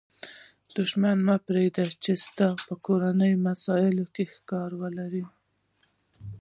دوښمن مه پرېږدئ، چي ستاسي په کورنۍ مسائلو کښي کار ولري.